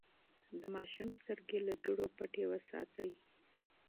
د ماشوم سترګې له دوړو پټې وساتئ.